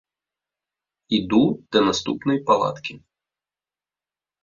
Іду да наступнай палаткі.